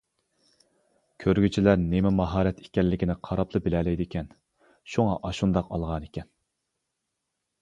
كۆرگۈچىلەر نېمە ماھارەت ئىكەنلىكىنى قاراپلا بىلەلەيدىكەن شۇڭا ئاشۇنداق ئالغانىكەن.